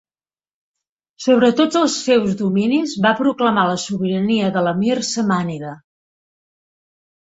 Sobre tots els seus dominis va proclamar la sobirania de l'emir samànida.